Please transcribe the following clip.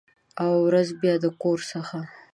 او، ورځ بیا د کور څخه